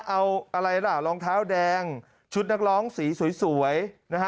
เอาอะไรล่ะรองเท้าแดงชุดนักร้องสีสวยนะฮะ